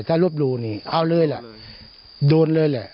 ถ้ารวบรูนี่เอาเลยล่ะโดนเลยแหละ